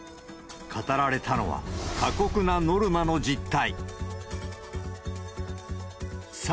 語られたのは、過酷なノルマの実態。